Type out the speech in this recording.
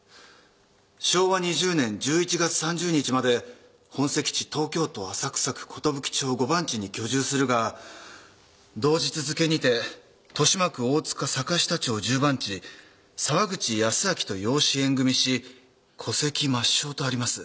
「昭和２０年１１月３０日まで本籍地東京都浅草区寿町５番地に居住するが同日付にて豊島区大塚坂下町１０番地沢口靖秋と養子縁組し戸籍抹消」とあります。